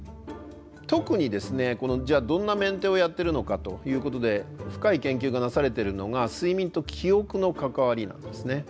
じゃあどんなメンテをやってるのかということで深い研究がなされてるのが睡眠と記憶の関わりなんですね。